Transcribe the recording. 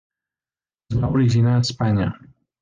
Es va originar a Espanya.